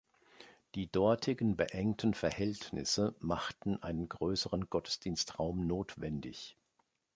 Die dortigen beengten Verhältnisse machten einen größeren Gottesdienstraum notwendig.